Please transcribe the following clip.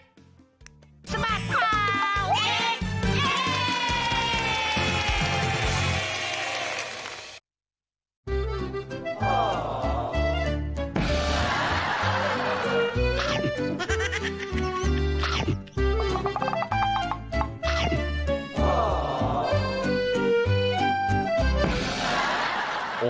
สบัดข่าวเด็ก